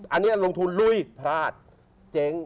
อันนี้ลงทุนลุยพลาดเจ๊ง